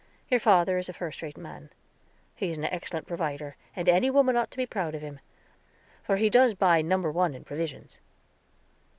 Your father is a first rate man; he is an excellent provider, and any woman ought to be proud of him, for he does buy number one in provisions."